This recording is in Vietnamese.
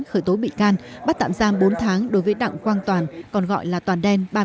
khởi tố bị can bắt tạm giam bốn tháng đối với đặng quang toàn còn gọi là toàn đen